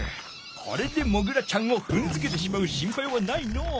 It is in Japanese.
これでモグラちゃんをふんづけてしまう心配はないのう。